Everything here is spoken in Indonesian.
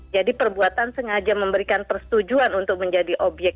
jadi perbuatan sengaja memberikan persetujuan untuk menjadi objek